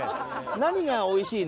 何がおいしいの？